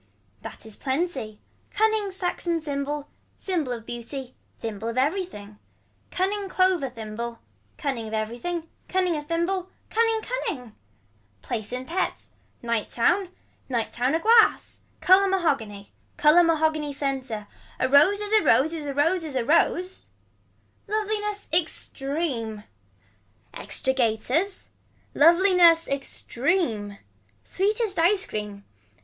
That is plenty. Cunning saxon symbol. Symbol of beauty. Thimble of everything. Cunning clover thimble. Cunning of everything. Cunning of thimble. Cunning cunning. Place in pets. Night town. Night town a glass. Color mahogany. Color mahogany center. Rose is a rose is a rose is a rose. Loveliness extreme. Extra gaiters. Loveliness extreme. Sweetest ice cream.